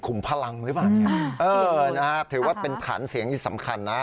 พลังหรือเปล่าเนี่ยเออนะฮะถือว่าเป็นฐานเสียงที่สำคัญนะ